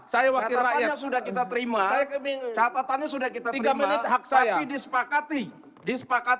catatannya sudah kita terima catatannya sudah kita terima tapi disepakati oleh praksi pks